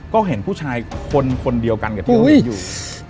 ก็เห็นผู้ชายคนเดียวกันอยู่